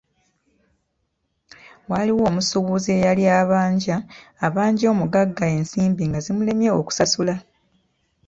Waaliwo omusuubuzi eyali abanja abanja omugagga ensimbi nga zimulemye okusasula.